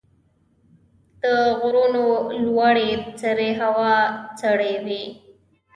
د غرونو لوړې سرې هوا سړې وي.